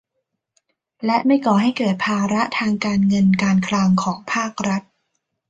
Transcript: และไม่ก่อให้เกิดภาระทางการเงินการคลังของภาครัฐ